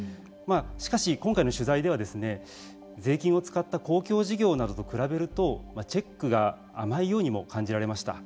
しかし、今回の取材では税金を使った公共事業などと比べるとチェックが甘いようにも感じられました。